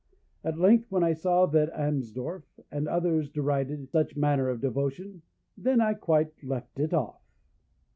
At length, when I saw that Amsdorff and others derided such manner of devotion, then I quite left it off.